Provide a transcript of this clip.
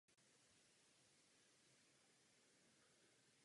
Za tímto dialogem se skrývají některé složité problémy.